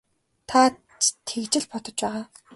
Та ч тэгж л бодож байгаа.